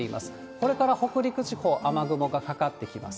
これから北陸地方、雨雲がかかってきます。